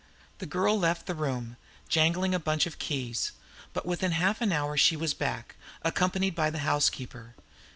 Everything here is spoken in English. The girl left the room, jangling a bunch of keys. But within half an hour she was back, accompanied by the housekeeper.